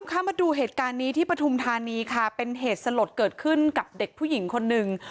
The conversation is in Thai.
มาดูเหตุการณ์นี้ที่ปฐุมธานีค่ะเป็นเหตุสลดเกิดขึ้นกับเด็กผู้หญิงคนหนึ่ง